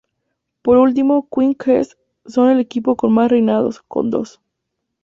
Por último, Queen's Quest son el equipo con más reinados, con dos.